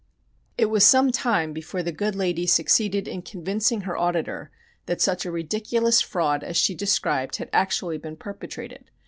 It was some time before the good lady succeeded in convincing her auditor that such a ridiculous fraud as she described had actually been perpetrated.